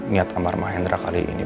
niat amar mahendra kali ini